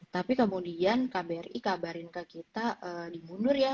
tapi kemudian kbri kabarin ke kita dimundur ya